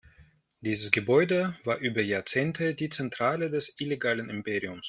Dieses Gebäude war über Jahrzehnte die Zentrale des illegalen Imperiums.